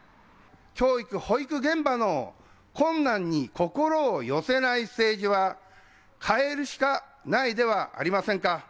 教育、保育現場の困難に心を寄せない政治は変えるしかないではありませんか。